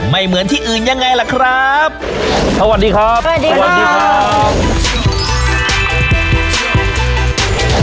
เหมือนที่อื่นยังไงล่ะครับสวัสดีครับสวัสดีครับ